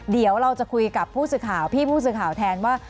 เดี๋ยวเราจะคุยกับผู้สื่อข่าวพี่ผู้สื่อข่าวแทนว่า